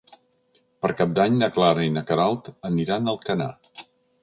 Per Cap d'Any na Clara i na Queralt aniran a Alcanar.